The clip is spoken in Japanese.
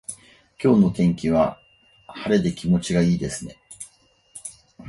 今日の天気は晴れで気持ちがいいですね。